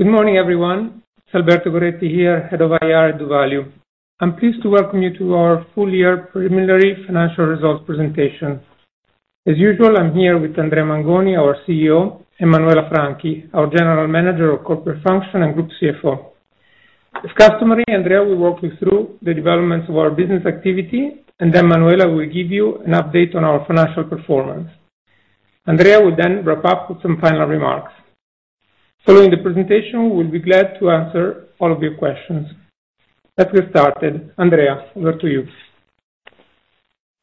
Good morning, everyone. It's Alberto Goretti here, Head of IR at doValue. I'm pleased to welcome you to our full year preliminary financial results presentation. As usual, I'm here with Andrea Mangoni, our CEO, and Manuela Franchi, our General Manager of Corporate Functions and Group CFO. As customary, Andrea will walk you through the developments of our business activity, Manuela will give you an update on our financial performance. Andrea will wrap up with some final remarks. Following the presentation, we'll be glad to answer all of your questions. Let's get started. Andrea, over to you.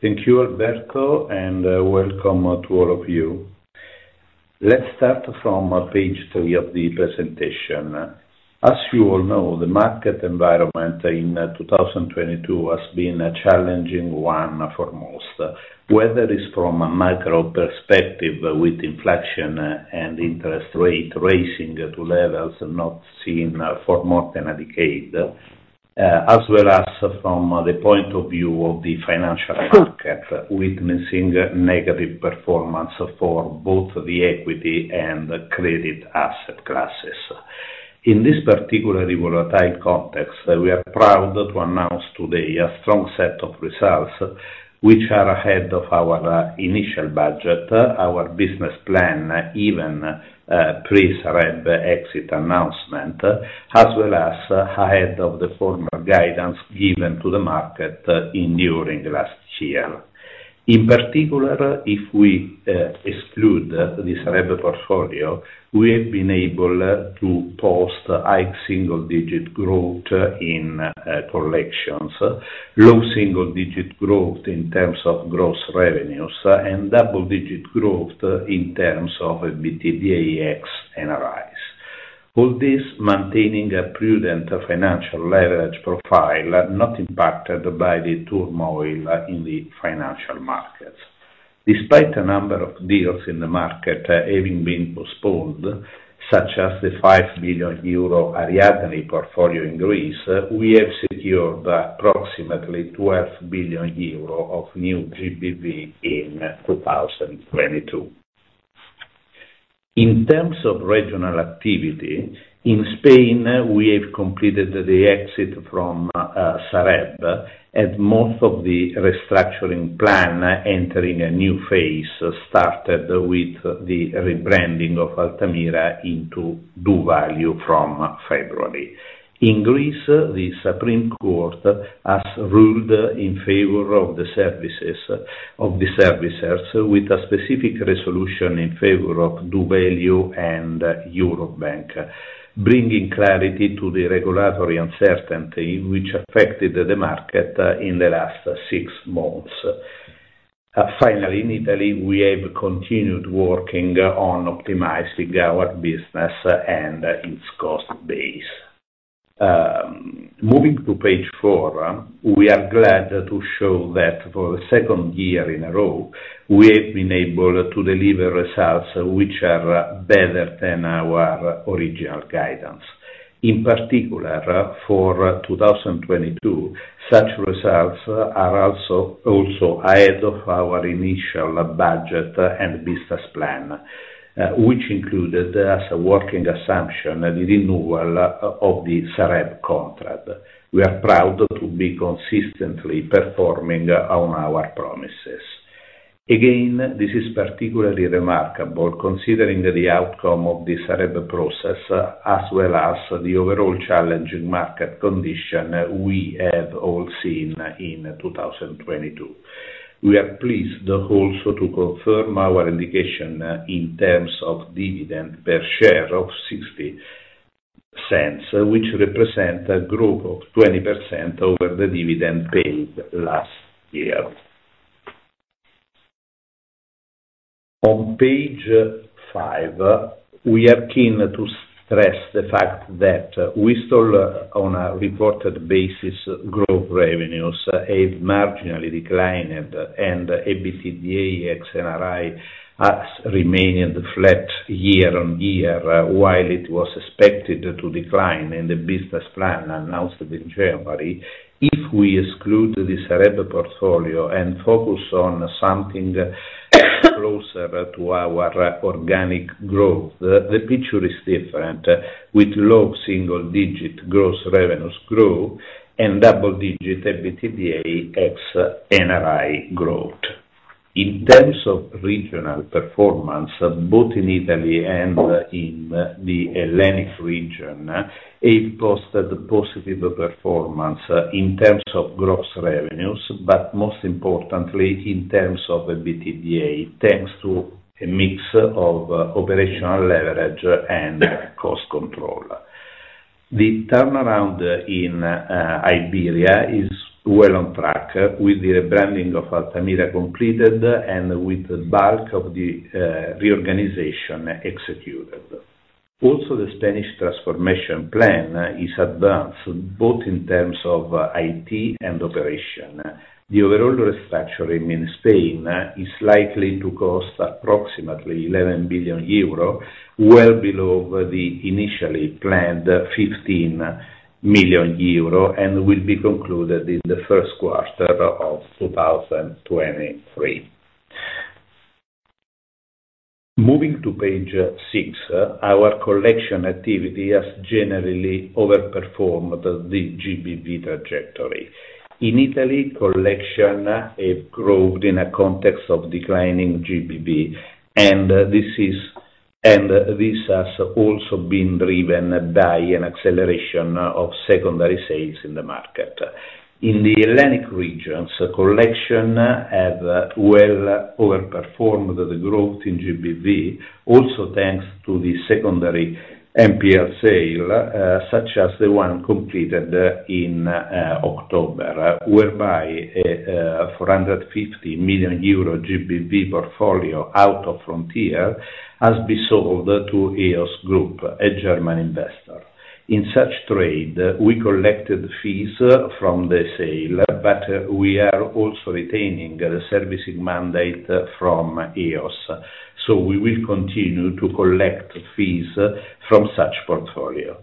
Thank you, Alberto. Welcome to all of you. Let's start from page three of the presentation. As you all know, the market environment in 2022 has been a challenging one for most. Whether it's from a macro perspective with inflation and interest rate raising to levels not seen for more than a decade, as well as from the point of view of the financial market, witnessing negative performance for both the equity and credit asset classes. In this particular volatile context, we are proud to announce today a strong set of results which are ahead of our initial budget, our business plan, even pre-Sareb exit announcement, as well as ahead of the former guidance given to the market during last year. In particular, if we exclude the Sareb portfolio, we have been able to post high single digit growth in collections, low single digit growth in terms of gross revenues, and double digit growth in terms of EBITDA ex-NRIs. All this maintaining a prudent financial leverage profile not impacted by the turmoil in the financial markets. Despite a number of deals in the market having been postponed, such as the 5 billion euro Ariadne portfolio in Greece, we have secured approximately 12 billion euro of new GBV in 2022. In terms of regional activity, in Spain, we have completed the exit from Sareb, and most of the restructuring plan entering a new phase started with the rebranding of Altamira into doValue from February. In Greece, the Supreme Court has ruled in favor of the servicers with a specific resolution in favor of doValue and Eurobank, bringing clarity to the regulatory uncertainty which affected the market in the last six months. Finally, in Italy, we have continued working on optimizing our business and its cost base. Moving to page four, we are glad to show that for the second year in a row, we have been able to deliver results which are better than our original guidance. In particular, for 2022, such results are also ahead of our initial budget and business plan, which included as a working assumption, the renewal of the Sareb contract. We are proud to be consistently performing on our promises. This is particularly remarkable considering the outcome of the Sareb process, as well as the overall challenging market condition we have all seen in 2022. We are pleased also to confirm our indication in terms of dividend per share of 0.60, which represent a growth of 20% over the dividend paid last year. On page five, we are keen to stress the fact that whilst on a reported basis, group revenues have marginally declined and EBITDA ex-NRI has remained flat year-on-year, while it was expected to decline in the business plan announced in January. If we exclude the Sareb portfolio and focus on something closer to our organic growth, the picture is different with low single digit gross revenues growth and double digit EBITDA ex-NRI growth. In terms of regional performance, both in Italy and in the Hellenic region, have posted positive performance in terms of gross revenues, but most importantly in terms of EBITDA, thanks to a mix of operational leverage and cost control. The turnaround in Iberia is well on track with the rebranding of Altamira completed and with the bulk of the reorganization executed. Also, the Spanish transformation plan is advanced both in terms of IT and operation. The overall restructuring in Spain is likely to cost approximately 11 billion euro, well below the initially planned 15 million euro, and will be concluded in the first quarter of 2023. Moving to page six. Our collection activity has generally overperformed the GBV trajectory. In Italy, collection have grown in a context of declining GBV, and this is. This has also been driven by an acceleration of secondary sales in the market. In the Hellenic regions, collection have well overperformed the growth in GBV also thanks to the secondary NPL sale, such as the one completed in October, whereby, 450 million euro GBV portfolio out of Frontier has been sold to EOS Group, a German investor. In such trade, we collected fees from the sale, but we are also retaining the servicing mandate from EOS. We will continue to collect fees from such portfolio.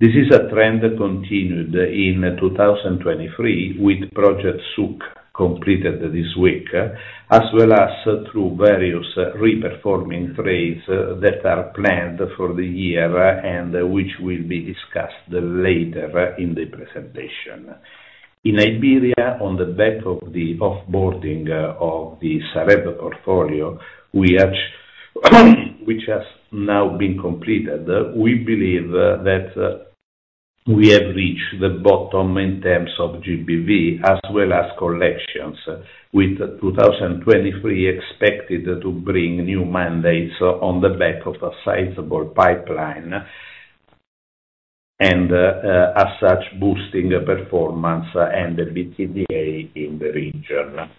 This is a trend continued in 2023 with Project Souq completed this week, as well as through various re-performing trades that are planned for the year and which will be discussed later in the presentation. In Iberia, on the back of the off-boarding of the Sareb portfolio, which has now been completed. We believe that we have reached the bottom in terms of GBV as well as collections, with 2023 expected to bring new mandates on the back of a sizable pipeline, and, as such, boosting performance and the EBITDA in the region.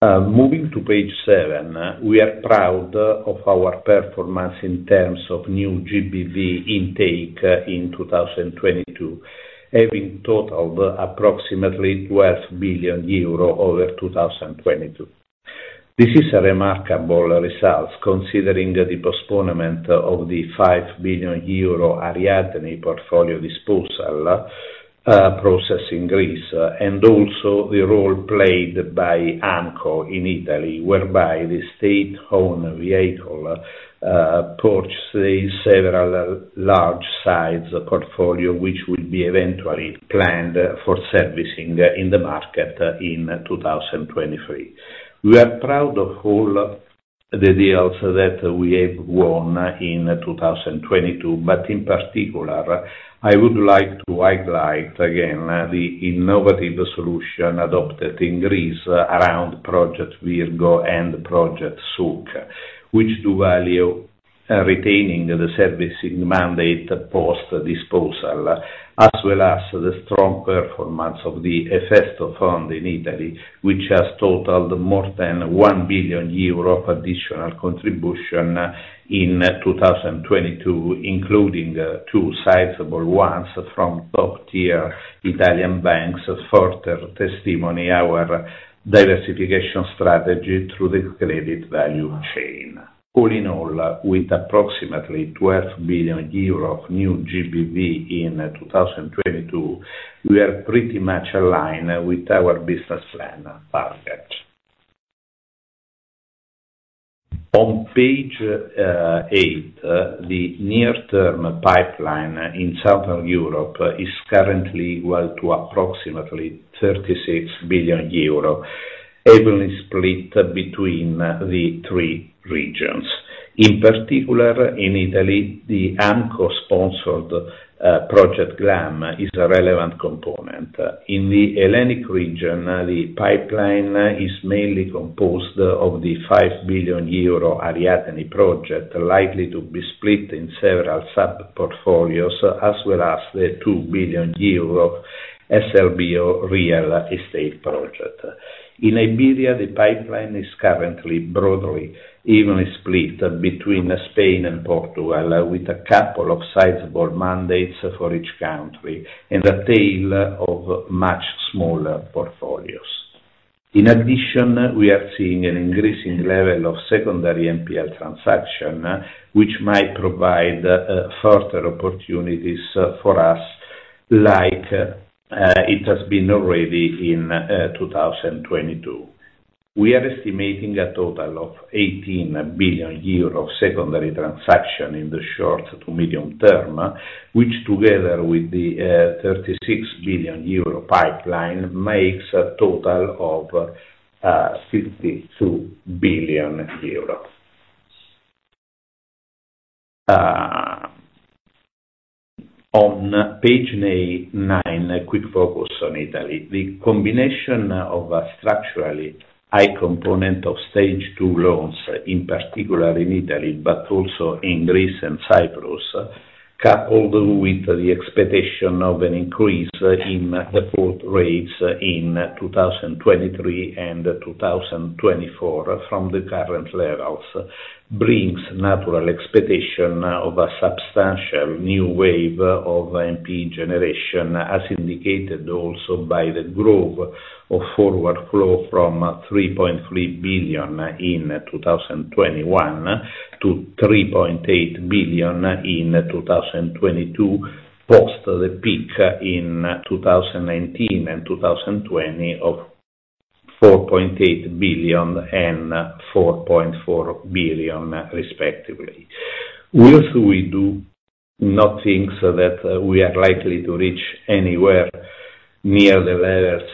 Moving to page 7. We are proud of our performance in terms of new GBV intake in 2022, having totaled approximately 12 billion euro over 2022. This is a remarkable result considering the postponement of the 5 billion euro Ariadne portfolio disposal process in Greece, and also the role played by AMCO in Italy, whereby the state-owned vehicle purchased several large size portfolio, which will be eventually planned for servicing in the market in 2023. We are proud of all the deals that we have won in 2022. In particular, I would like to highlight again the innovative solution adopted in Greece around Project Virgo and Project Souq, which doValue retaining the servicing mandate post-disposal, as well as the strong performance of the Efesto Fund in Italy, which has totaled more than 1 billion euro of additional contribution in 2022, including two sizable ones from top-tier Italian banks, further testimony our diversification strategy through the credit value chain. All in all, with approximately 12 billion euro of new GBV in 2022, we are pretty much aligned with our business plan target. On page eight, the near term pipeline in Southern Europe is currently worth to approximately 36 billion euro, evenly split between the three regions. In particular, in Italy, the AMCO-sponsored Project Glam is a relevant component. In the Hellenic region, the pipeline is mainly composed of the 5 billion euro Ariadne project, likely to be split in several sub-portfolios, as well as the 2 billion euro SLB real estate project. In Iberia, the pipeline is currently broadly evenly split between Spain and Portugal, with a couple of sizable mandates for each country and a tail of much smaller portfolios. We are seeing an increasing level of secondary NPL transaction, which might provide further opportunities for us like it has been already in 2022. We are estimating a total of 18 billion euro of secondary transaction in the short to medium term, which together with the 36 billion euro pipeline, makes a total of 62 billion euro. On page nine, a quick focus on Italy. The combination of a structurally high component of Stage 2 loans, in particular in Italy, but also in Greece and Cyprus, coupled with the expectation of an increase in default rates in 2023 and 2024 from the current levels, brings natural expectation of a substantial new wave of NPE generation, as indicated also by the growth of forward flow from 3.3 billion in 2021 to 3.8 billion in 2022, post the peak in 2019 and 2020 of 4.8 billion and 4.4 billion, respectively. Whilst we do not think that we are likely to reach anywhere near the levels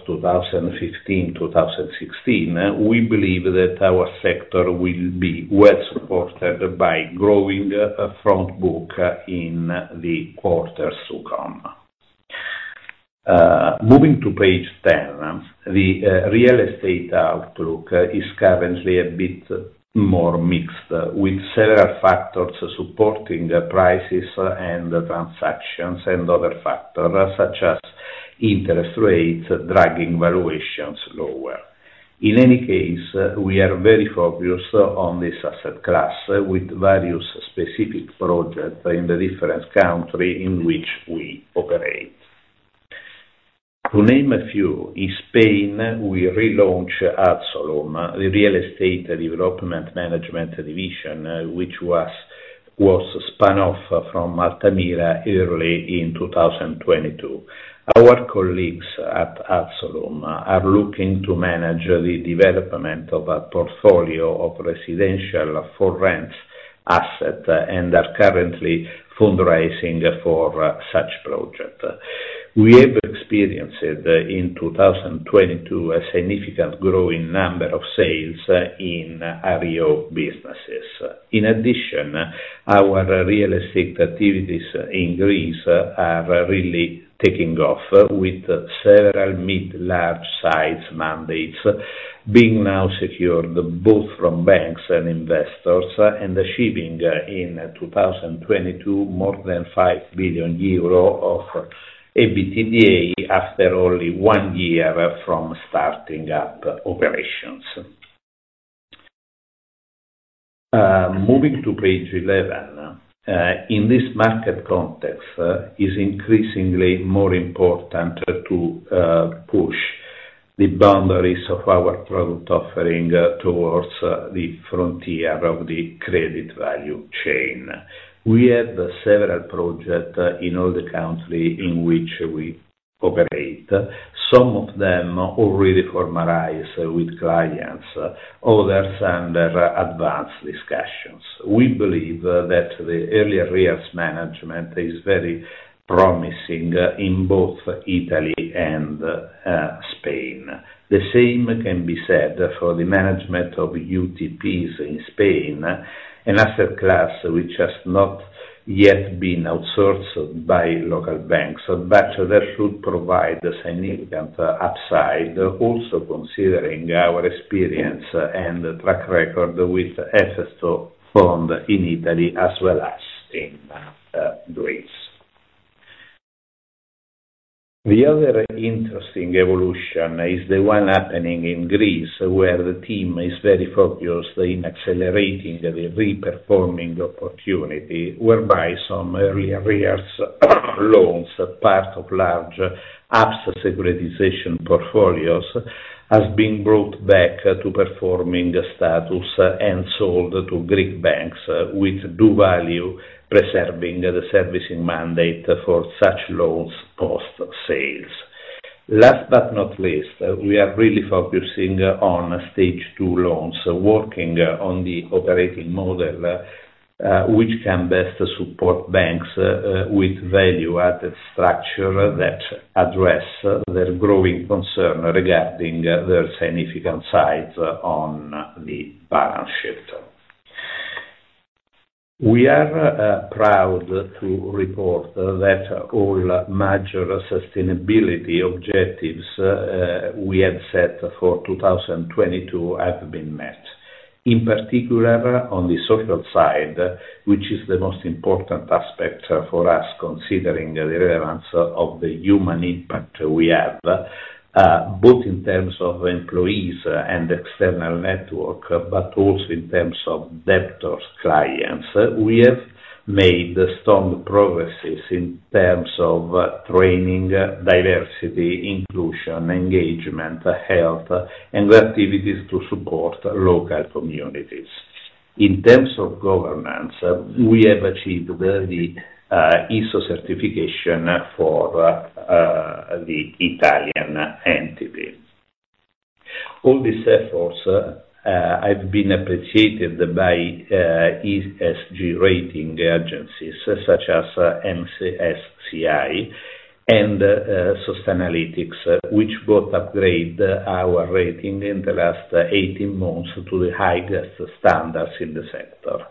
of 2015, 2016, we believe that our sector will be well supported by growing front book in the quarters to come. Moving to page 10. The real estate outlook is currently a bit more mixed, with several factors supporting the prices and transactions, and other factors such as interest rates, dragging valuations lower. In any case, we are very focused on this asset class, with various specific projects in the different country in which we operate. To name a few, in Spain, we relaunch Ádsolum, the real estate development management division, which was spun off from Altamira early in 2022. Our colleagues at Ádsolum are looking to manage the development of a portfolio of residential for rent asset, are currently fundraising for such project. We have experienced, in 2022, a significant growing number of sales in REO businesses. In addition, our real estate activities in Greece are really taking off, with several mid-large size mandates being now secured, both from banks and investors, and achieving in 2022, more than 5 billion euro of EBITDA after only one year from starting up operations. Moving to page 11. In this market context, is increasingly more important to push the boundaries of our product offering towards the frontier of the credit value chain. We have several projects in all the country in which we operate. Some of them already formalized with clients, others under advanced discussions. We believe that the early arrears management is very promising in both Italy and Spain. The same can be said for the management of UTPs in Spain, an asset class which has not yet been outsourced by local banks. That should provide a significant upside, also considering our experience and track record with SS2 fund in Italy as well as in Greece. The other interesting evolution is the one happening in Greece, where the team is very focused in accelerating the re-performing opportunity, whereby some early arrears loans, part of large ABS securitization portfolios, has been brought back to performing status and sold to Greek banks with doValue, preserving the servicing mandate for such loans post-sales. Last but not least, we are really focusing on Stage 2 loans, working on the operating model, which can best support banks with value-added structure that address their growing concern regarding their significant size on the balance sheet. We are proud to report that all major sustainability objectives we had set for 2022 have been met. In particular, on the social side, which is the most important aspect for us, considering the relevance of the human impact we have, both in terms of employees and external network, but also in terms of debtors clients. We have made strong progresses in terms of training, diversity, inclusion, engagement, health and activities to support local communities. In terms of governance, we have achieved the ISO certification for the Italian entity. All these efforts have been appreciated by ESG rating agencies such as MSCI and Sustainalytics, which both upgrade our rating in the last 18 months to the highest standards in the sector.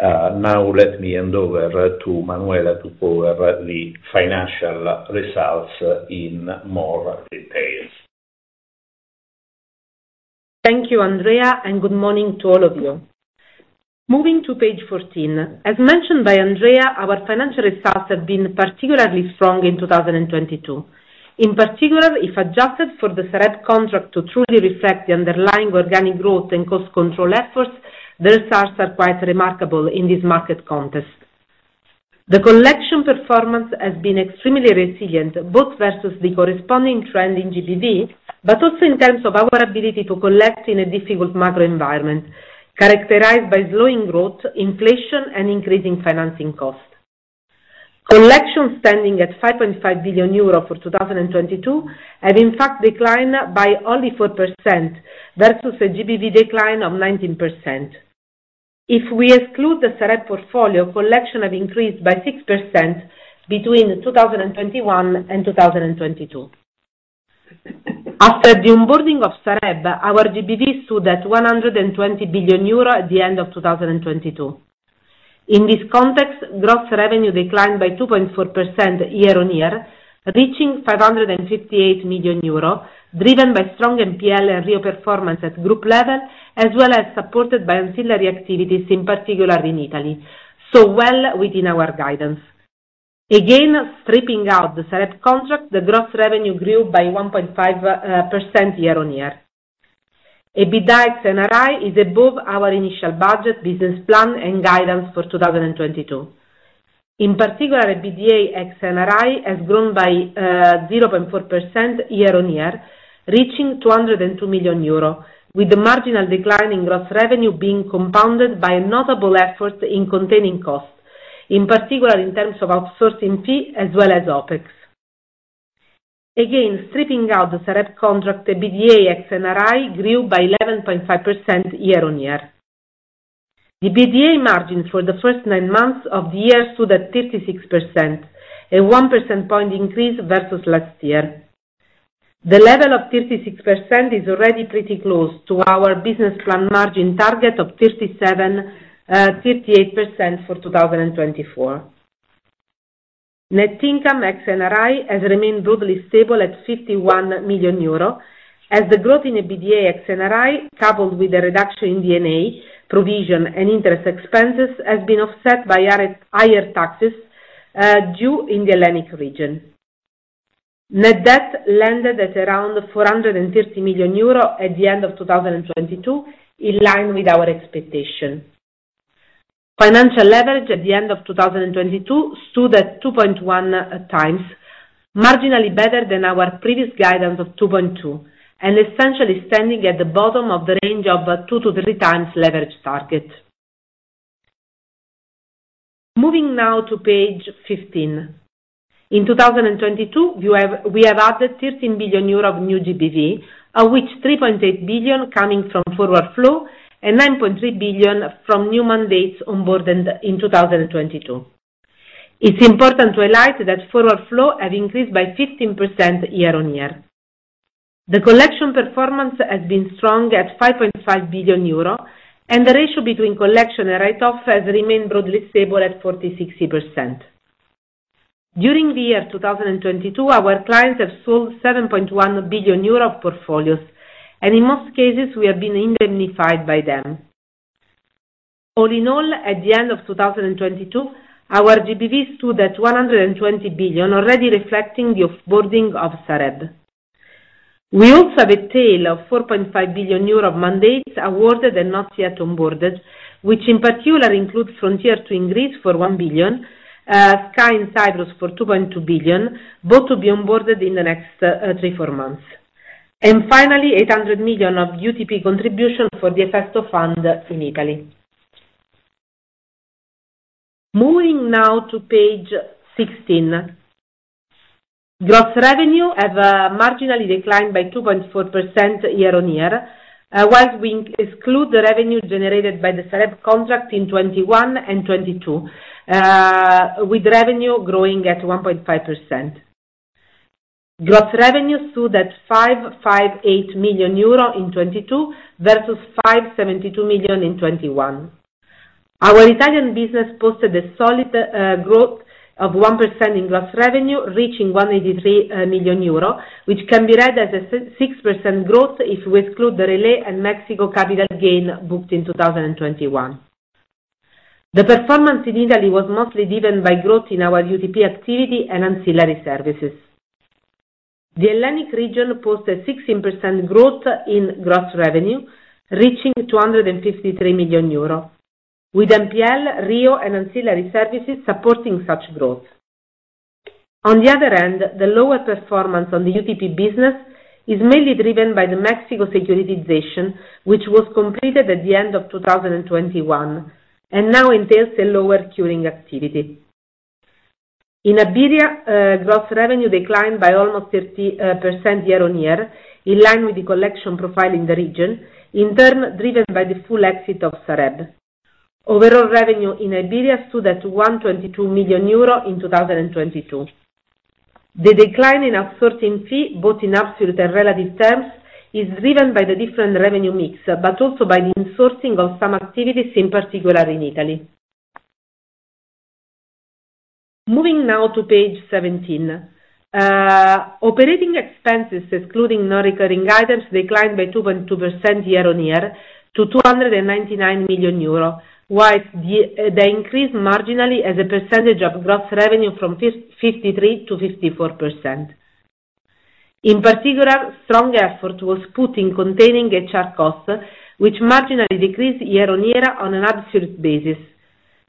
Now let me hand over to Manuela to cover the financial results in more details. Thank you, Andrea. Good morning to all of you. Moving to page 14. As mentioned by Andrea, our financial results have been particularly strong in 2022. In particular, if adjusted for the Sareb contract to truly reflect the underlying organic growth and cost control efforts, the results are quite remarkable in this market context. The collection performance has been extremely resilient, both versus the corresponding trend in GBV, but also in terms of our ability to collect in a difficult macro environment characterized by slowing growth, inflation and increasing financing costs. Collection standing at 5.5 billion euro for 2022 have in fact declined by only 4% versus a GBV decline of 19%. If we exclude the Sareb portfolio, Collection have increased by 6% between 2021 and 2022. After the onboarding of Sareb, our GBVs stood at 120 billion euro at the end of 2022. In this context, gross revenue declined by 2.4% year-on-year, reaching 558 million euro, driven by strong NPL and REO performance at group level as well as supported by ancillary activities, in particular in Italy, well within our guidance. Again, stripping out the Sareb contract, the gross revenue grew by 1.5% year-on-year. EBITDA ex NRI is above our initial budget, business plan and guidance for 2022. In particular, EBITDA ex NRI has grown by 0.4% year-over-year, reaching 202 million euro, with the marginal decline in gross revenue being compounded by a notable effort in containing costs, in particular in terms of outsourcing fee as well as OpEx. Stripping out the Sareb contract, the EBITDA ex NRI grew by 11.5% year-over-year. The EBITDA margin for the first nine months of the year stood at 36%, a 1% point increase versus last year. The level of 36% is already pretty close to our business plan margin target of 37%-38% for 2024. Net income ex NRI has remained broadly stable at 51 million euro as the growth in EBITDA ex NRI, coupled with a reduction in D&A provision and interest expenses, has been offset by higher taxes due in the Hellenic region. Net debt landed at around 430 million euro at the end of 2022, in line with our expectation. Financial leverage at the end of 2022 stood at 2.1x, marginally better than our previous guidance of 2.2 and essentially standing at the bottom of the range of 2x-3x leverage target. Moving now to page 15. In 2022, we have added 13 billion euro of new GBV, of which 3.8 billion coming from forward flow and 9.3 billion from new mandates onboarded in 2022. It's important to highlight that forward flow have increased by 15% year-on-year. The collection performance has been strong at 5.5 billion euro, and the ratio between collection and write off has remained broadly stable at 46%. During the year 2022, our clients have sold 7.1 billion euro of portfolios, and in most cases we have been indemnified by them. All in all, at the end of 2022, our GBVs stood at 120 billion already reflecting the off-boarding of Sareb. We also have a tail of 4.5 billion euro of mandates awarded and not yet onboarded, which in particular includes Frontier to increase for 1 billion, Sky in Cyprus for 2.2 billion, both to be onboarded in the next, three, four months. Finally, 800 million of UTP contribution for the Efesto Fund in Italy. Moving now to page 16. Gross revenue have marginally declined by 2.4% year-on-year, whilst we exclude the revenue generated by the Sareb contract in 2021 and 2022, with revenue growing at 1.5%. Gross revenue stood at 558 million euro in 2022 versus 572 million in 2021. Our Italian business posted a solid growth of 1% in gross revenue, reaching 183 million euro, which can be read as a 6% growth if we exclude the Relay and Mexico capital gain booked in 2021. The performance in Italy was mostly driven by growth in our UTP activity and ancillary services. The Hellenic region posted 16% growth in gross revenue, reaching 253 million euro, with NPL, REO and ancillary services supporting such growth. The lower performance on the UTP business is mainly driven by the Mexico securitization, which was completed at the end of 2021 and now entails a lower curing activity. In Iberia, gross revenue declined by almost 30% year-on-year in line with the collection profile in the region, in turn driven by the full exit of Sareb. Overall revenue in Iberia stood at 122 million euro in 2022. The decline in outsourcing fee, both in absolute and relative terms, is driven by the different revenue mix, but also by the insourcing of some activities, in particular in Italy. Moving now to page 17. Operating expenses, excluding non-recurring items, declined by 2.2% year-on-year to 299 million euro, whilst they increased marginally as a percentage of gross revenue from 53%-54%. In particular, strong effort was put in containing HR costs, which marginally decreased year-on-year on an absolute basis.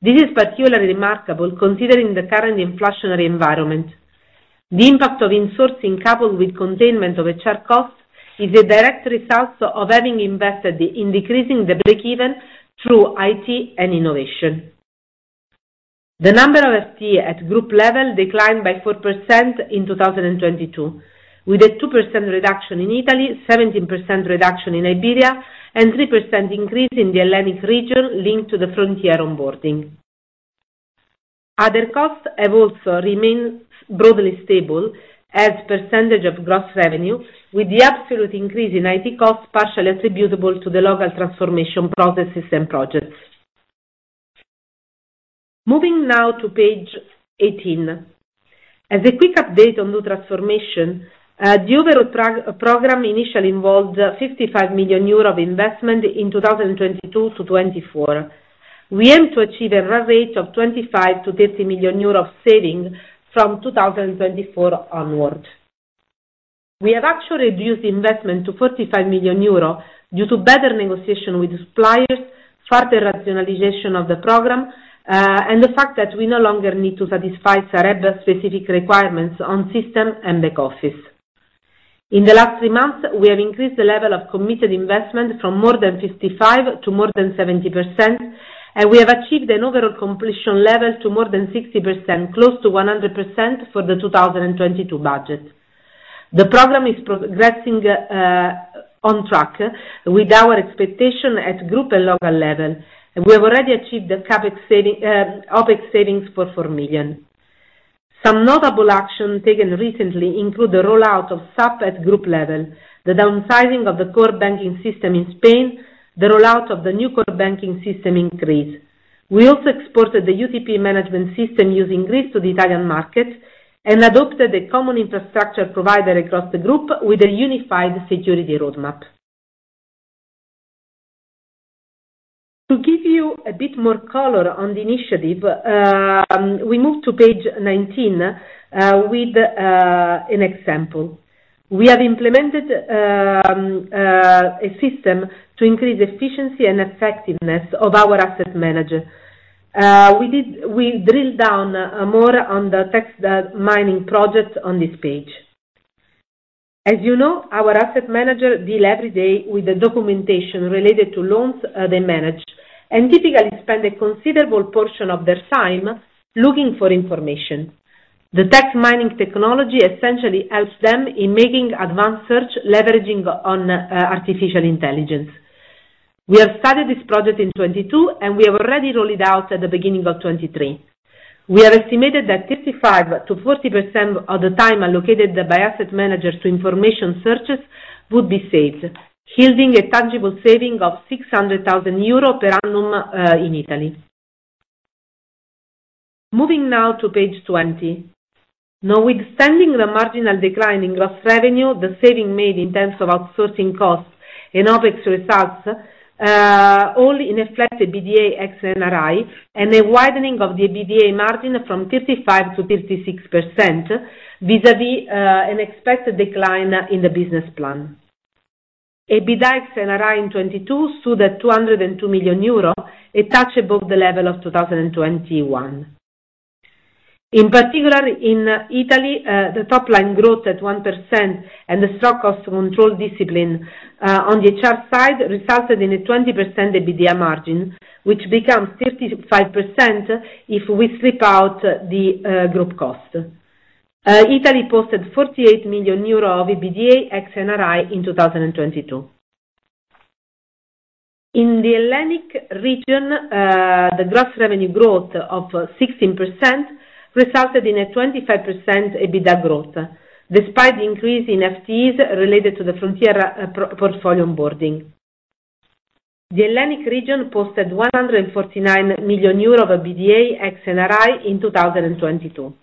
This is particularly remarkable considering the current inflationary environment. The impact of insourcing coupled with containment of HR costs is a direct result of having invested in decreasing the break-even through IT and innovation. The number of FTE at group level declined by 4% in 2022, with a 2% reduction in Italy, 17% reduction in Iberia, and 3% increase in the Hellenic region linked to the Frontier onboarding. Other costs have also remained broadly stable as percentage of gross revenue, with the absolute increase in IT costs partially attributable to the local transformation processes and projects. Moving now to page 18. As a quick update on new transformation, the overall program initially involved 55 million euro of investment in 2022-2024. We aim to achieve a run rate of 25 million to 30 million euros of saving from 2024 onwards. We have actually reduced the investment to 45 million euro due to better negotiation with suppliers, further rationalization of the program, and the fact that we no longer need to satisfy Sareb specific requirements on system and back office. In the last three months, we have increased the level of committed investment from more than 55% to more than 70%. We have achieved an overall completion level to more than 60%, close to 100% for the 2022 budget. The program is progressing on track with our expectation at group and local level. We have already achieved the CapEx saving, OpEx savings for 4 million. Some notable action taken recently include the rollout of SAP at group level, the downsizing of the core banking system in Spain, the rollout of the new core banking system in Greece. We also exported the UTP management system using Greece to the Italian market, and adopted a common infrastructure provider across the group with a unified security roadmap. To give you a bit more color on the initiative, we move to page 19, with an example. We have implemented a system to increase efficiency and effectiveness of our asset manager. We drill down more on the text mining project on this page. As you know, our asset manager deal every day with the documentation related to loans, they manage, and typically spend a considerable portion of their time looking for information. The text mining technology essentially helps them in making advanced search leveraging on artificial intelligence. We have started this project in 2022, and we have already rolled it out at the beginning of 2023. We have estimated that 55%-40% of the time allocated by asset managers to information searches would be saved, yielding a tangible saving of 600,000 euro per annum in Italy. Moving now to page 20. Notwithstanding the marginal decline in gross revenue, the saving made in terms of outsourcing costs and OpEx results only reflect the EBITDA ex NRI and a widening of the EBITDA margin from 35%-36% vis-à-vis an expected decline in the business plan. EBITDA ex NRI in 2022 stood at 202 million euro, a touch above the level of 2021. In particular, in Italy, the top line growth at 1% and the stock cost control discipline on the HR side resulted in a 20% EBITDA margin, which becomes 35% if we strip out the group cost. Italy posted 48 million euro of EBITDA ex NRI in 2022. In the Hellenic region, the gross revenue growth of 16% resulted in a 25% EBITDA growth, despite the increase in FTEs related to the Frontier pro-portfolio onboarding. The Hellenic region posted 149 million euro of EBITDA ex NRI in 2022.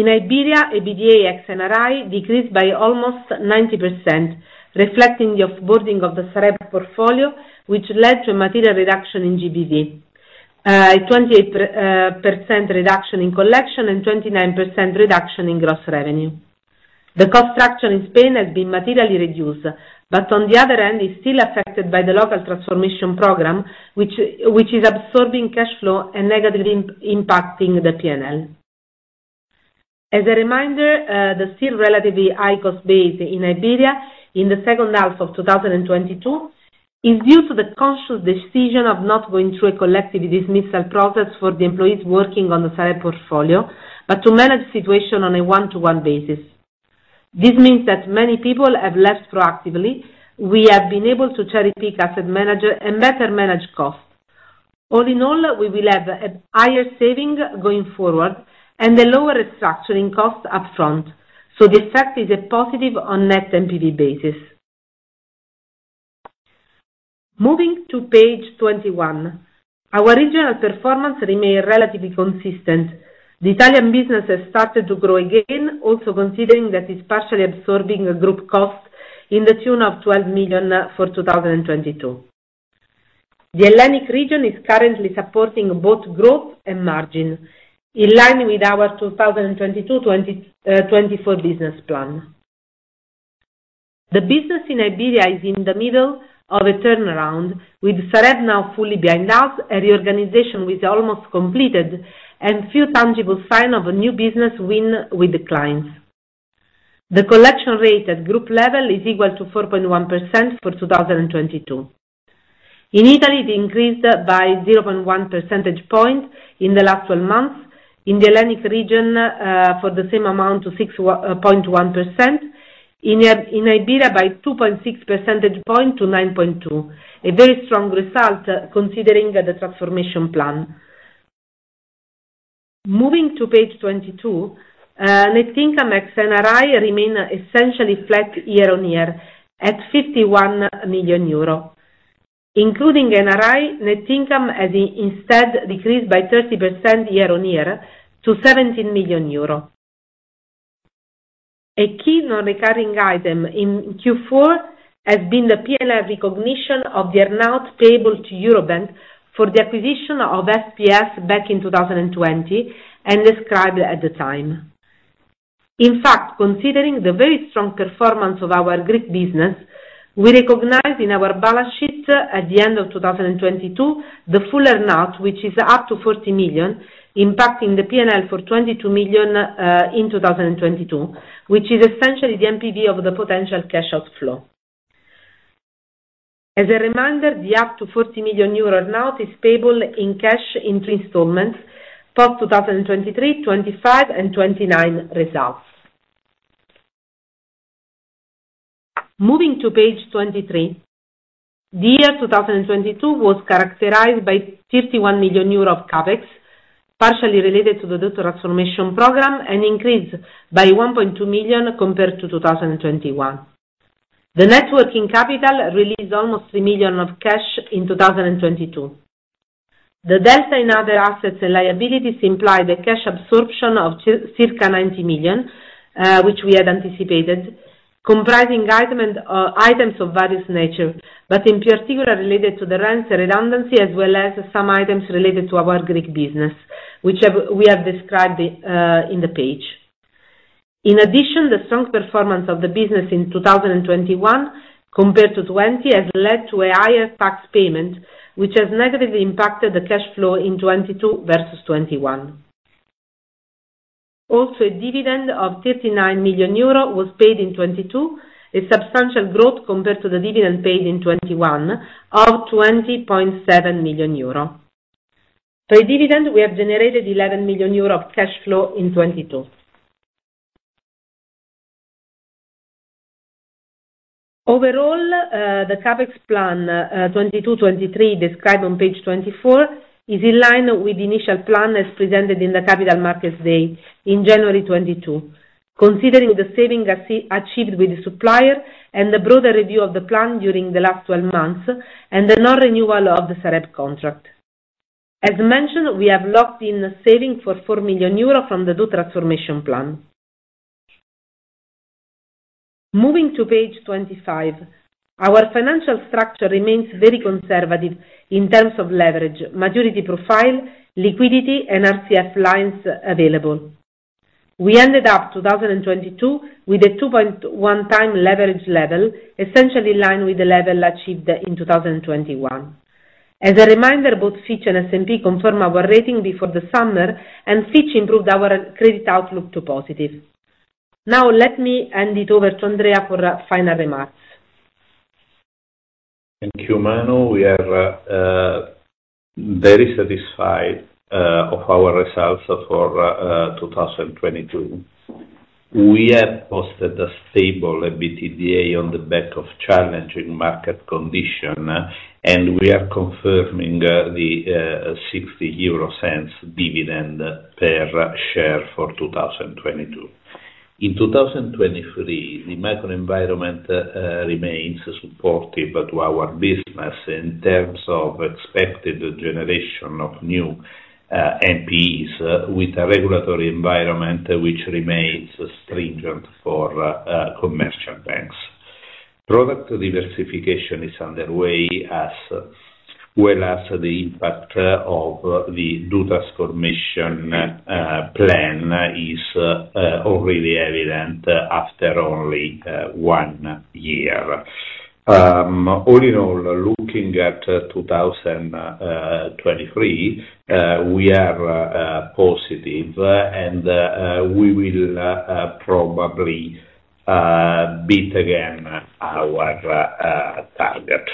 In Iberia, EBITDA ex NRI decreased by almost 90%, reflecting the offboarding of the Sareb portfolio, which led to a material reduction in GBV. A 28% reduction in collection and 29% reduction in gross revenue. The cost structure in Spain has been materially reduced, but on the other hand is still affected by the local transformation program, which is absorbing cash flow and negatively impacting the P&L. As a reminder, the still relatively high cost base in Iberia in the second half of 2022 is due to the conscious decision of not going through a collective dismissal process for the employees working on the Sareb portfolio, but to manage the situation on a one-to-one basis. This means that many people have left proactively. We have been able to cherry-pick asset manager and better manage costs. All in all, we will have a higher saving going forward and a lower restructuring cost up front. The effect is a positive on net NPV basis. Moving to page 21. Our regional performance remain relatively consistent. The Italian business has started to grow again, also considering that it's partially absorbing a group cost in the tune of 12 million for 2022. The Hellenic region is currently supporting both growth and margin, in line with our 2022-2024 business plan. The business in Iberia is in the middle of a turnaround, with Sareb now fully behind us, a reorganization which is almost completed, and few tangible sign of a new business win with the clients. The collection rate at group level is equal to 4.1% for 2022. In Italy, it increased by 0.1 percentage point in the last 12 months. In the Hellenic region, for the same amount to 6.1%. In Iberia by 2.6 percentage point to 9.2, a very strong result considering the transformation plan. Moving to page 22, net income ex-NRI remain essentially flat year-on-year at 51 million euro. Including NRI, net income has instead decreased by 30% year-on-year to EUR 17 million. A key non-recurring item in Q4 has been the P&L recognition of the earn-out payable to Eurobank for the acquisition of FPS back in 2020, and described at the time. In fact, considering the very strong performance of our Greek business, we recognized in our balance sheet at the end of 2022, the full earn-out, which is up to 40 million, impacting the P&L for 22 million, in 2022, which is essentially the MPD of the potential cash outflow. As a reminder, the up to 40 million euro earn-out is payable in cash in installments post 2023, 2025, and 2029 results. Moving to page 23, the year 2022 was characterized by 51 million euro of CapEx, partially related to the doTransformation program and increased by 1.2 million compared to 2021. The net working capital released almost 3 million of cash in 2022. The delta in other assets and liabilities imply the cash absorption of circa 90 million, which we had anticipated, comprising item and items of various nature, but in particular related to the rents and redundancy as well as some items related to our Greek business, which we have described in the page. The strong performance of the business in 2021 compared to 2020 has led to a higher tax payment, which has negatively impacted the cash flow in 2022 versus 2021. A dividend of 39 million euro was paid in 2022, a substantial growth compared to the dividend paid in 2021 of 20.7 million euro. Per dividend, we have generated 11 million euro of cash flow in 2022. The CapEx plan 2022-2023 described on page 24 is in line with the initial plan as presented in the Capital Markets Day in January 2022, considering the saving achieved with the supplier and the broader review of the plan during the last 12 months, and the non-renewal of the Sareb contract. We have locked in saving for 4 million euros from the doTransformation plan. Moving to page 25, our financial structure remains very conservative in terms of leverage, maturity profile, liquidity, and RCF lines available. We ended up 2022 with a 2.1 time leverage level, essentially in line with the level achieved in 2021. As a reminder, both Fitch and S&P confirmed our rating before the summer, and Fitch improved our credit outlook to positive. Let me hand it over to Andrea for final remarks. Thank you, Manu. We are very satisfied of our results for 2022. We have posted a stable EBITDA on the back of challenging market condition, and we are confirming the 0.60 dividend per share for 2022. In 2023, the macro environment remains supportive to our business in terms of expected generation of new NPEs with a regulatory environment which remains stringent for commercial banks. Product diversification is underway as well as the impact of the doTransformation plan is already evident after only one year. All in all, looking at 2023, we are positive and we will probably beat again our target.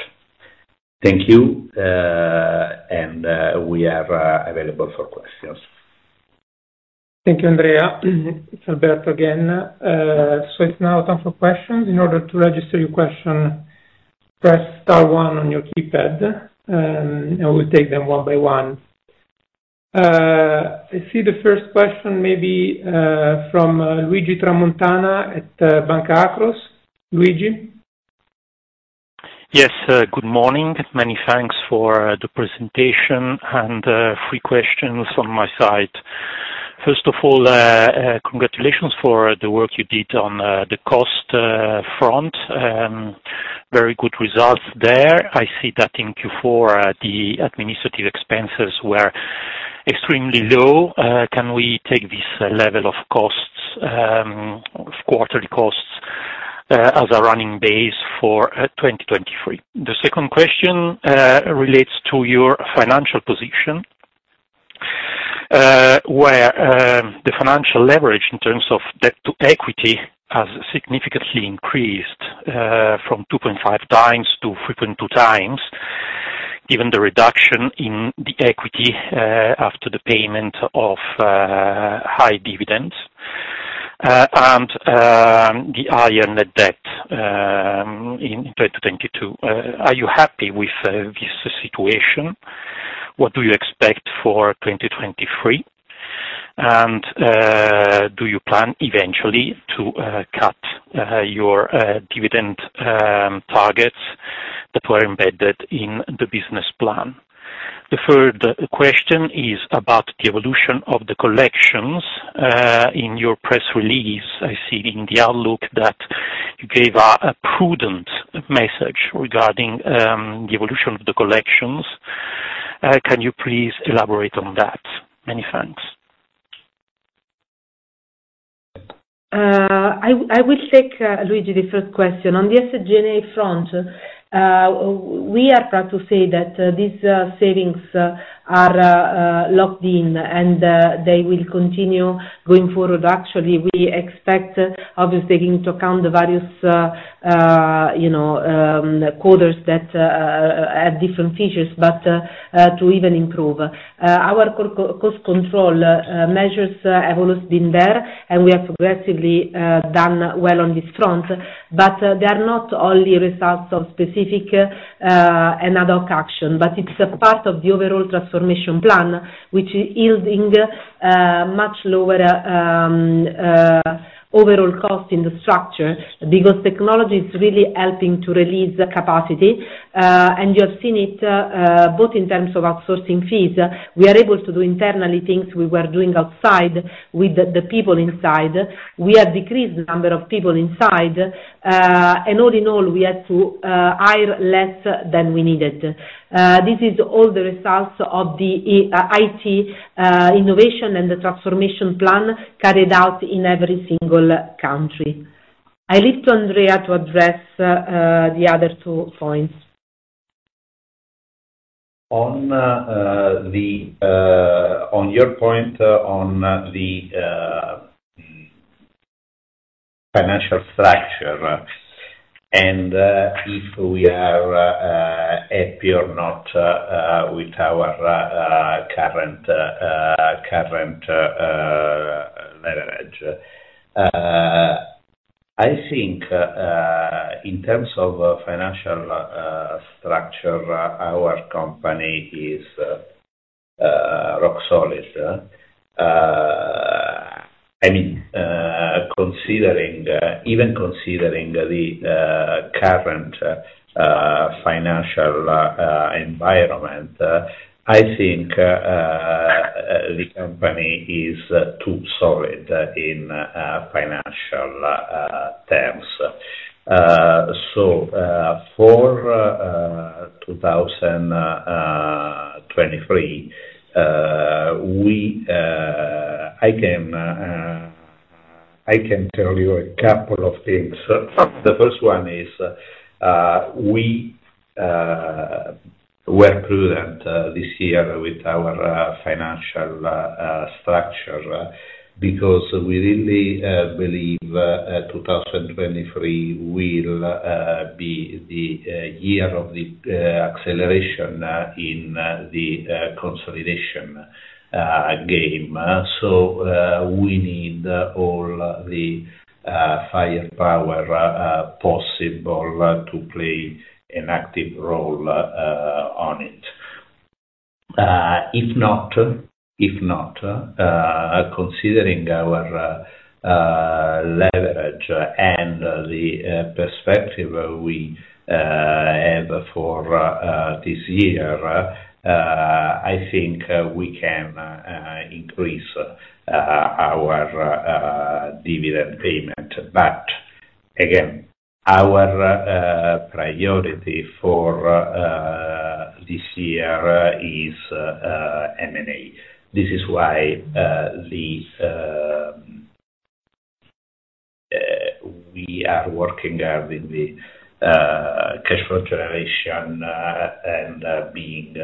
Thank you, and we are available for questions. Thank you, Andrea. It's Alberto again. It's now time for questions. In order to register your question, press star one on your keypad, and we'll take them one by one. I see the first question maybe from Luigi Tramontana at Banca Akros. Luigi? Yes, good morning. Many thanks for the presentation. Three questions on my side. First of all, congratulations for the work you did on the cost front. Very good results there. I see that in Q4, the administrative expenses were extremely low. Can we take this level of costs, of quarterly costs, as a running base for 2023? The second question relates to your financial position, where the financial leverage in terms of debt to equity has significantly increased from 2.5x to 3.2x, given the reduction in the equity after the payment of high dividends, and the higher net debt in 2022. Are you happy with this situation? What do you expect for 2023? Do you plan eventually to cut your dividend targets that were embedded in the business plan? The third question is about the evolution of the collections. In your press release, I see in the outlook that you gave a prudent message regarding the evolution of the collections. Can you please elaborate on that? Many thanks. I will take Luigi, the first question. On the SG&A front, we are proud to say that these savings are locked in, and they will continue going forward. Actually, we expect, obviously taking into account the various, you know, quarters that have different features, but to even improve. Our cost control measures have always been there, and we have progressively done well on this front. They are not only a result of specific and ad hoc action, but it's a part of the overall transformation plan, which is yielding much lower overall cost in the structure. Technology is really helping to release the capacity, and you have seen it both in terms of outsourcing fees. We are able to do internally things we were doing outside with the people inside. We have decreased the number of people inside. All in all, we had to hire less than we needed. This is all the results of the IT innovation and the transformation plan carried out in every single country. I leave to Andrea to address the other two points. On your point on the financial structure and if we are happy or not with our current leverage. I think, in terms of financial structure, our company is rock solid. I mean, considering even considering the current financial environment, I think, the company is too solid in financial terms. For 2023, we I can tell you a couple of things. The first one is we were prudent this year with our financial structure, because we really believe 2023 will be the year of the acceleration in the consolidation game. We need all the firepower possible to play an active role on it. If not considering our leverage and the perspective we have for this year, I think we can increase our dividend payment. Again, our priority for this year is M&A. This is why, the, we are working out with the cash flow generation, and being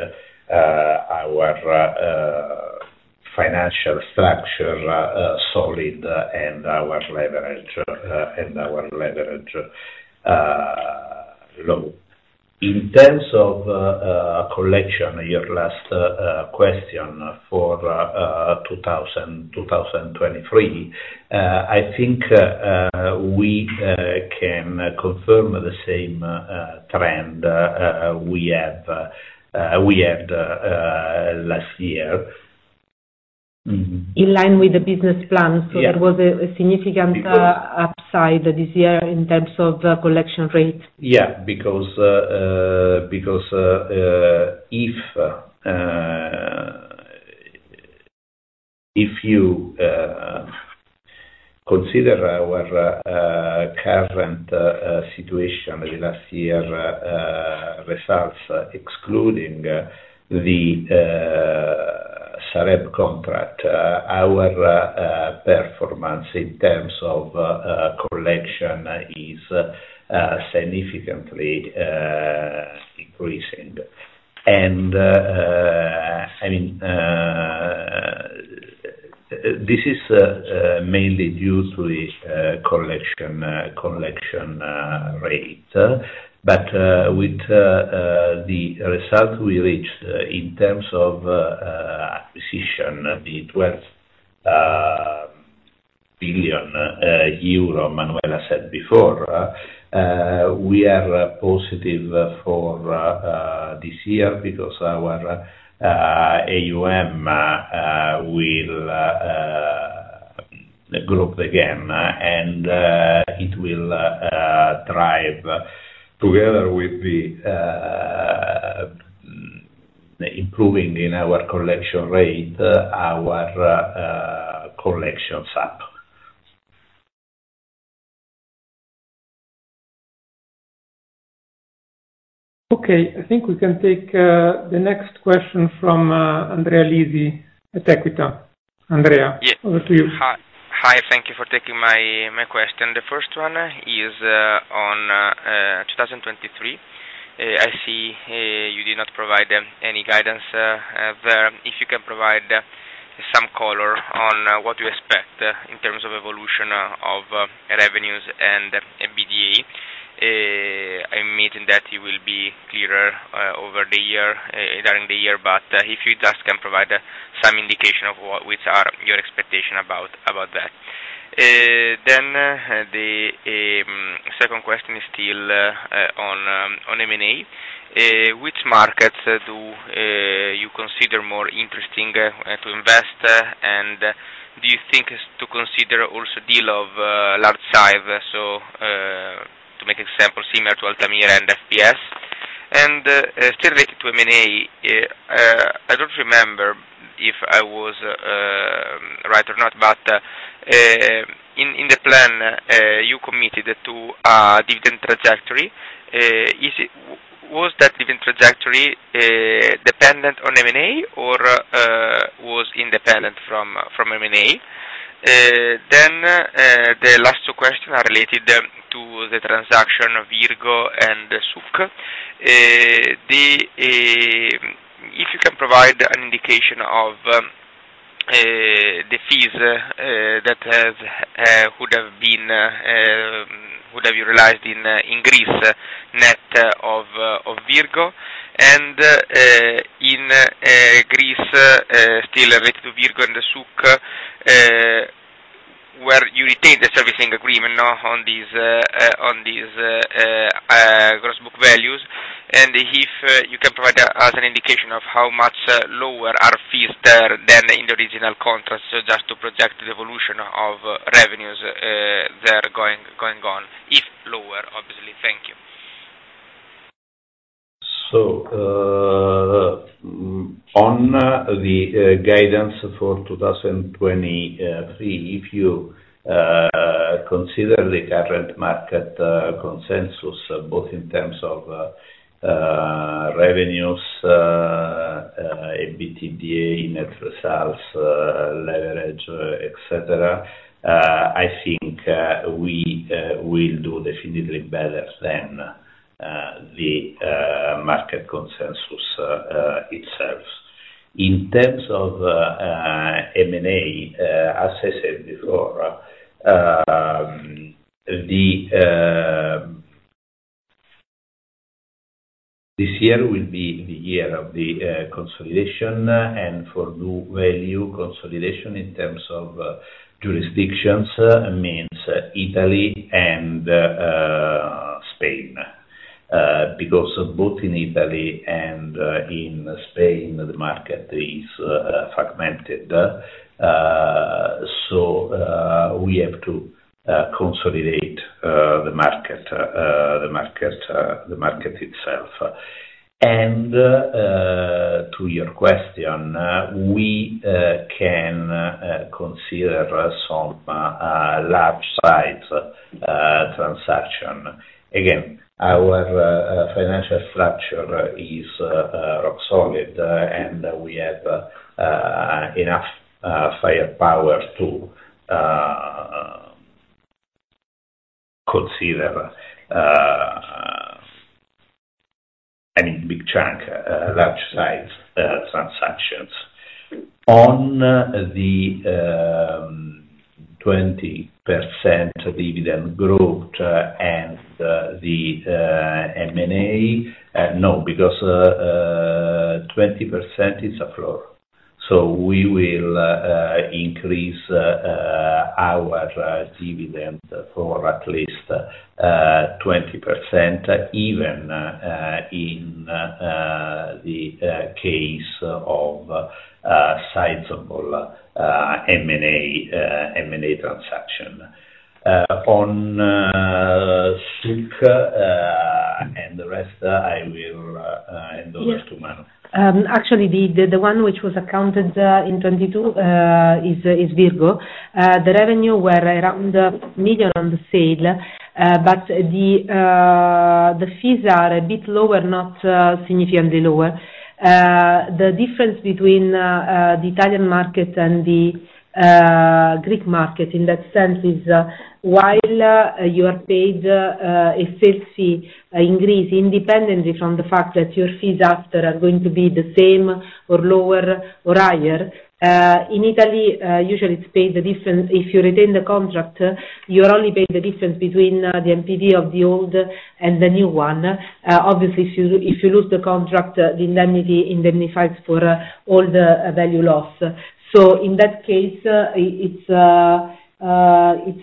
our financial structure solid and our leverage low. In terms of collection, your last question for 2023, I think we can confirm the same trend we have we had last year. In line with the business plan. Yeah. There was a significant upside this year in terms of collection rate. Yeah, because, if you consider our current situation last year, results, excluding the Sareb contract. Our performance in terms of collection is significantly increasing. I mean, this is mainly due to the collection rate. With the result we reached in terms of acquisition, the 12 billion euro Manuela said before, we are positive for this year because our AUM will grow up again, and it will drive together with the improving in our collection rate, our collection factor. Okay, I think we can take, the next question from, Andrea Lisi at Equita. Andrea, over to you. Hi. Thank you for taking my question. The first one is on 2023. I see you did not provide them any guidance. If you can provide some color on what you expect in terms of evolution of revenues and EBITDA. I imagine that you will be clearer over the year during the year, if you just can provide some indication of what are your expectation about that. The second question is still on M&A. Which markets do you consider more interesting to invest? Do you think to consider also deal of large size? To make example similar to Altamira and FPS. Still related to M&A, I don't remember if I was right or not, but in the plan, you committed to a different trajectory. Was that different trajectory dependent on M&A or was independent from M&A? The last two question are related to the transaction of Virgo and Souq. If you can provide an indication of the fees that has could have been could have utilized in Greece net of Virgo. In Greece, still related to Virgo and the Souq, where you retain the servicing agreement now on these gross book values. If you can provide us an indication of how much lower our fees there than in the original contracts, just to project the evolution of revenues, that are going on, if lower, obviously. Thank you. On the guidance for 2023, if you consider the current market consensus, both in terms of revenues, EBITDA, net results, leverage, et cetera, I think we will do definitely better than the market consensus itself. In terms of M&A, as I said before, this year will be the year of the consolidation, and for doValue consolidation in terms of jurisdictions means Italy and Spain. Because both in Italy and in Spain, the market is fragmented. We have to consolidate the market itself. To your question, we can consider some large size transaction. Again, our financial structure is rock solid, and we have enough firepower to consider any big chunk, large size transactions. On the 20% dividend growth and the M&A, no, because 20% is a floor. We will increase our dividend for at least 20%, even in the case of sizable M&A transaction. On Souq and the rest, I will. Actually the one which was accounted in 22 is Virgo. The revenue were around 1 million on the sale. The fees are a bit lower, not significantly lower. The difference between the Italian market and the Greek market in that sense is while you are paid a fixed fee in Greece independently from the fact that your fees after are going to be the same or lower or higher, in Italy, usually it's paid the difference. If you retain the contract, you are only paid the difference between the NPV of the old and the new one. Obviously if you, if you lose the contract, the indemnity indemnifies for all the value lost. In that case, it's a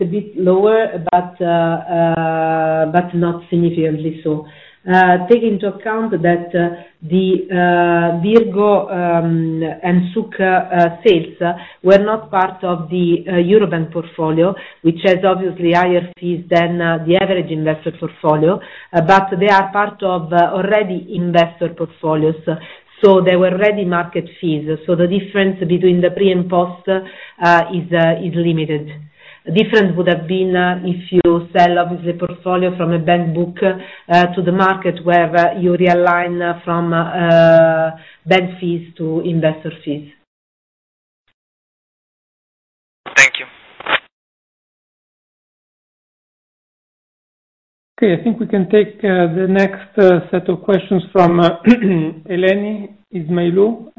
bit lower, but not significantly so. Take into account that the Virgo and Souq sales were not part of the Eurobank portfolio, which has obviously higher fees than the average investor portfolio. They are part of already investor portfolios, so they were already market fees. The difference between the pre and post is limited. Different would have been if you sell off the portfolio from a bank book to the market where you realign from bank fees to investor fees. Thank you. Okay. I think we can take the next set of questions from Eleni Ismailou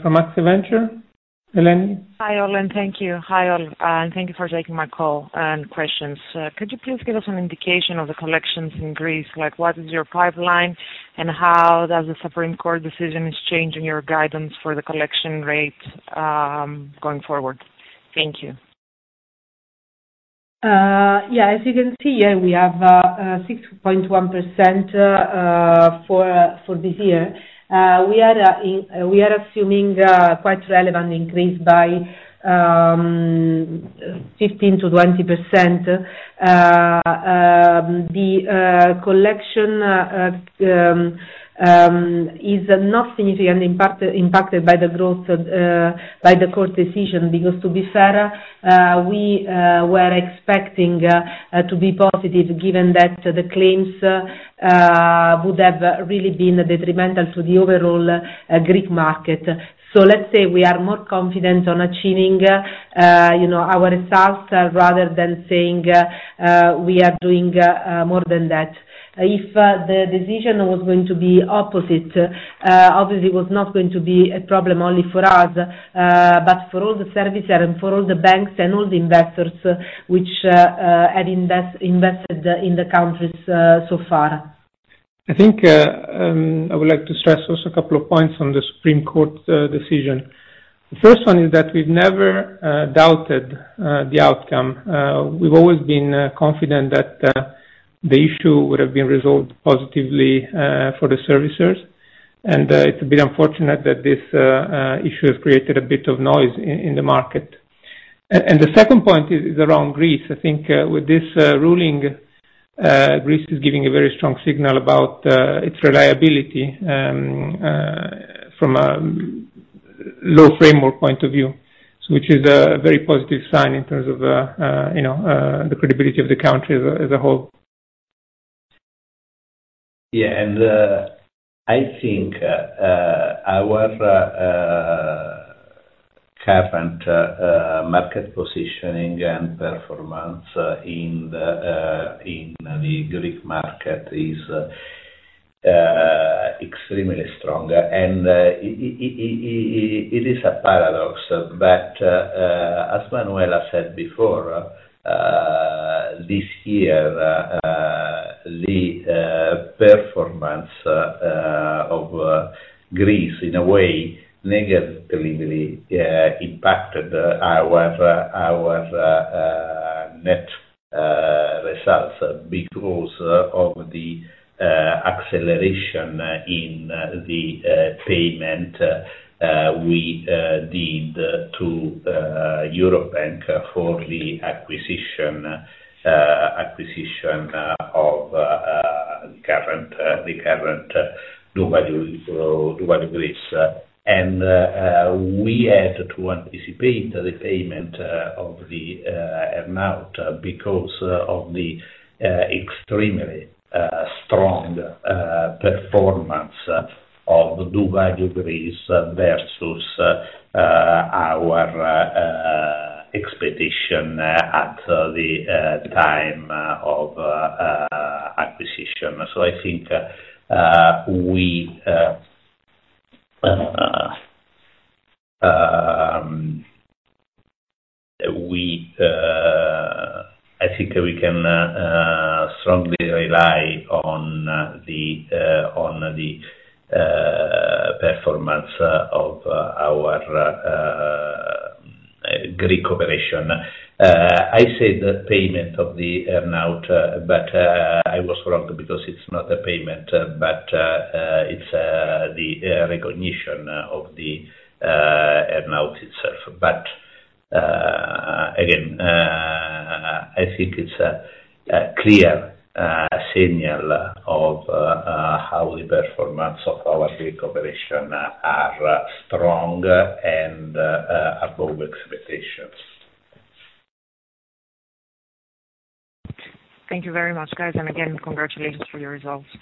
from AXIA Ventures. Eleni? Hi, all, and thank you. Hi all, and thank you for taking my call and questions. Could you please give us an indication of the collections in Greece? Like what is your pipeline, and how does the Supreme Court decision is changing your guidance for the collection rate, going forward? Thank you. As you can see, yeah, we have 6.1% for this year. We are assuming quite relevant increase by 15%-20%. The collection is not significantly impacted by the growth by the Supreme Court decision. To be fair, we were expecting to be positive given that the claims would have really been detrimental to the overall Greek market. Let's say we are more confident on achieving, you know, our results rather than saying we are doing more than that. If the decision was going to be opposite, obviously it was not going to be a problem only for us, but for all the servicer and for all the banks and all the investors which had invested in the countries so far. I think, I would like to stress also a couple of points on the Supreme Court decision. The first one is that we've never doubted the outcome. We've always been confident that the issue would have been resolved positively for the servicers. It's a bit unfortunate that this issue has created a bit of noise in the market. The second point is around Greece. I think, with this ruling, Greece is giving a very strong signal about its reliability from a law framework point of view, which is a very positive sign in terms of, you know, the credibility of the country as a whole. Yeah. I think our current market positioning and performance in the Greek market is extremely strong. It is a paradox. But as Manuela said before, this year the performance of Greece in a way negatively impacted our net results because of the acceleration in the payment we did to Eurobank for the acquisition of the current doValue Greece. We had to anticipate the repayment of the earn-out because of the extremely strong performance of doValue Greece versus our expectation at the time of acquisition. I think we, I think we can strongly rely on the performance of our Greek operation. I said payment of the earn-out, but I was wrong because it's not a payment, but it's the recognition of the earn-out itself. But again, I think it's a clear signal of how the performance of our Greek operation are strong and above expectations. Thank you very much, guys. Again, congratulations for your results.